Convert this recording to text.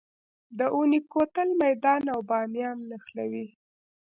د اونی کوتل میدان او بامیان نښلوي